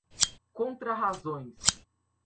contrarrazões